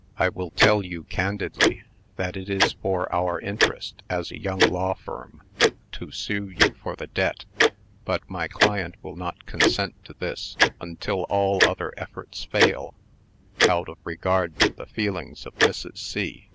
I will tell you candidly, that it is for our interest, as a young law firm, to sue you for the debt; but my client will not consent to this, until all other efforts fail, out of regard to the feelings of Mrs. C.